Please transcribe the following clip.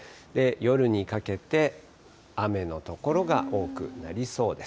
夜にかけて、雨の所が多くなりそうです。